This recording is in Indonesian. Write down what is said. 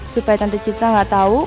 supaya tante citra gak tau